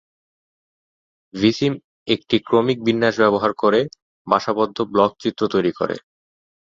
ভিসিম একটি ক্রমিক বিন্যাস ব্যবহার করে বাসাবদ্ধ ব্লক চিত্র তৈরি করে।